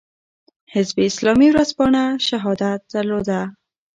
حزب اسلامي ورځپاڼه "شهادت" درلوده.